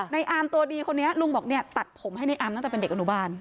อามตัวดีคนนี้ลุงบอกเนี่ยตัดผมให้ในอามตั้งแต่เป็นเด็กอนุบาล